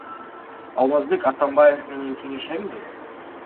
Алмазбек Атамбаев менен кеңешемби?